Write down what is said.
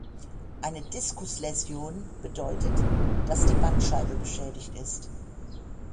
Eine Diskusläsion bedeutet, dass die Bandscheibe beschädigt ist.